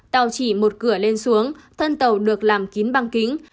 tàu chỉ một cửa lên xuống thân tàu được làm kín băng kính